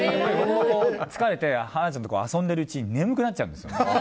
疲れて、ハナちゃんと遊んでるうちに眠くなっちゃうんですよ。